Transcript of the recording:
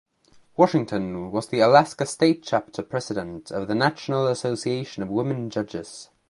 Washington was the Alaska state chapter president of the National Association of Women Judges.